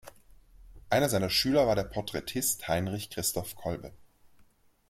Einer seiner Schüler war der Porträtist Heinrich Christoph Kolbe.